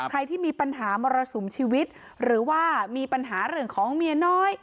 ที่มีปัญหามรสุมชีวิตหรือว่ามีปัญหาเรื่องของเมียน้อย